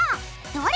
どれ？